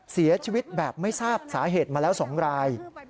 เสียชีวิตแบบไม่ทราบสาเหตุมาแล้ว๒ราย